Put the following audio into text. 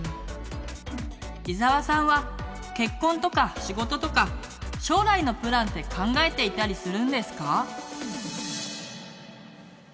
伊沢さんは結婚とか仕事とか将来のプランって考えていたりするんですか？